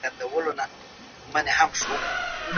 ښوونکي وویل چې عدالت ضروري دی.